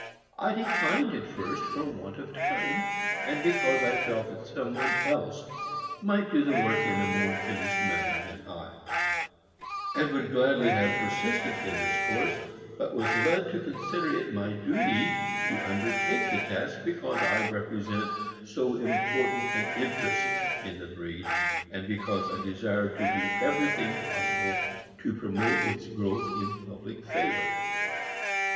I declined at first for want of time, and because I felt that someone else might do the work in a more finished manner than I; and would gladly have persisted in this course, but was led to consider it my duty to undertake the task because I represent so important an interest in the breed, and because I desire to do everything possible to promote its growth in public favor.